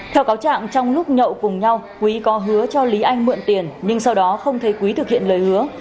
theo cáo trạng trong lúc nhậu cùng nhau quý có hứa cho lý anh mượn tiền nhưng sau đó không thấy quý thực hiện lời hứa